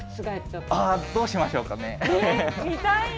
どうしましょうかね。